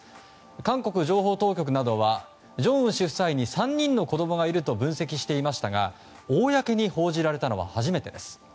韓国情報当局などは正恩氏夫妻に３人の子供がいると分析していましたが公に報じられたのは初めてです。